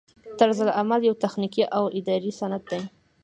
طرزالعمل یو تخنیکي او اداري سند دی.